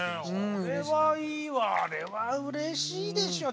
あれはいいわあれはうれしいでしょ。